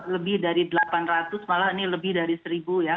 lebih dari delapan ratus malah ini lebih dari seribu ya